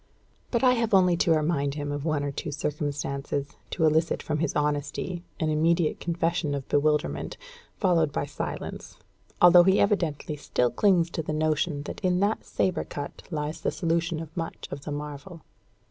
But I have only to remind him of one or two circumstances, to elicit from his honesty and immediate confession of bewilderment, followed by silence; although he evidently still clings to the notion that in that sabre cut lies the solution of much of the marvel.